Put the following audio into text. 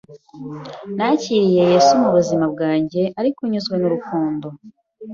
nakiriye Yesu mu buzima bwanjye ariko nyuzwe n’urukundo